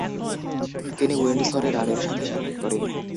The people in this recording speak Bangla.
তিনি উইন্ডসরে রাণীর সাথে সাক্ষাত করেন।